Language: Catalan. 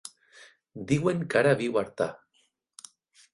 Diuen que ara viu a Artà.